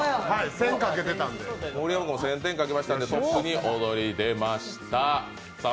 盛山君、１０００点賭けていたので、トップに躍り出ました。